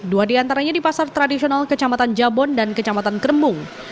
dua diantaranya di pasar tradisional kecamatan jabon dan kecamatan kerembung